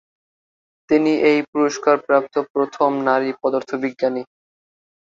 তিনি এই পুরস্কারপ্রাপ্ত প্রথম নারী পদার্থবিজ্ঞানী।